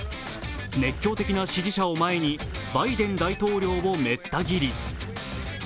熱狂的な支持者を前にバイデン大統領をめった斬り。